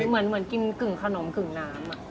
เหมือนกินกึ่งขนมกึ่งน้ำ